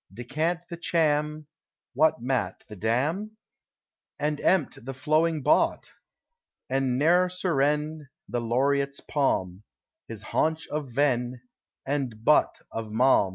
Decant the cham: (What matt: the dam:?) And empt: the flowing bott:! And ne'er surren: The Laureate's palm, His haunch of ven: And butt of Malm